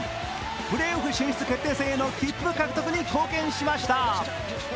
プレーオフ進出決定戦への切符獲得に貢献しました。